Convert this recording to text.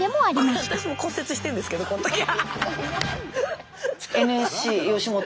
スタジオ私も骨折してるんですけどこのとき。